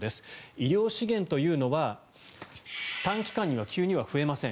医療資源というのは短期間には急には増えません。